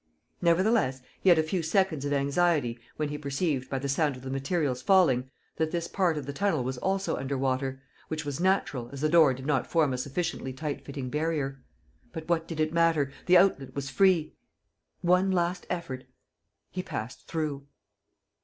Nevertheless, he had a few seconds of anxiety when he perceived, by the sound of the materials falling, that this part of the tunnel was also under water, which was natural, as the door did not form a sufficiently tight fitting barrier. But what did it matter! The outlet was free. One last effort ... he passed through.